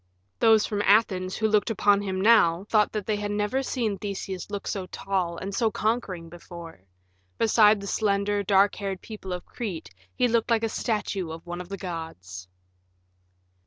Those from Athens who looked upon him now thought that they had never seen Theseus look so tall and so conquering before; beside the slender, dark haired people of Crete he looked like a statue of one of the gods.